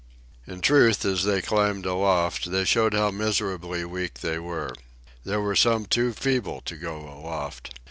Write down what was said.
In truth, as they climbed aloft they showed how miserably weak they were. There were some too feeble to go aloft.